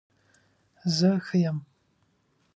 زه ښه یم